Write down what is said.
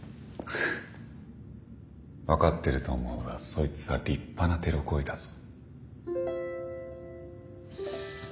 分かってると思うがそいつは立派なテロ行為だぞ。